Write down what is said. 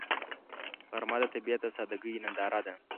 غرمه د طبیعت د سادګۍ ننداره ده